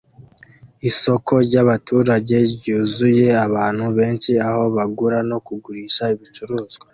Isoko ryabaturage ryuzuye abantu benshi aho bagura no kugurisha ibicuruzwa